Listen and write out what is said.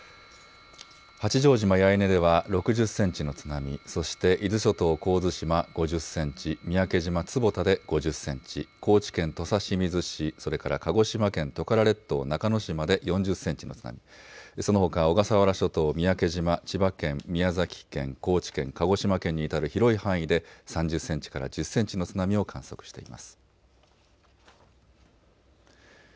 八丈島八重根では６０センチの津波、そして伊豆諸島神津島５０センチ、三宅島坪田で５０センチ、高知県土佐清水市それから鹿児島県トカラ列島中之島で４０センチの津波、そのほか小笠原諸島三宅島、千葉県、宮崎県、高知県、鹿児島県に至る広い範囲で３０センチから１０センチの津波を観測しています。